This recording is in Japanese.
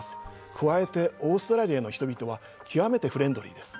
加えてオーストラリアの人々は極めてフレンドリーです。